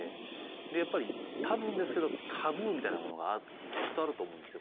でやっぱり多分ですけどタブーみたいなものはきっとあると思うんですよ